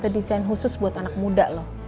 desain khusus buat anak muda loh